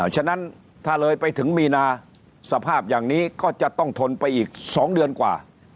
ฉะนั้นถ้าเลยไปถึงมีนาสภาพอย่างนี้ก็จะต้องทนไปอีก๒เดือนกว่า